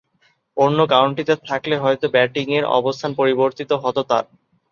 অন্য কাউন্টিতে থাকলে হয়তো ব্যাটিংয়ের অবস্থান পরিবর্তিত হতো তার।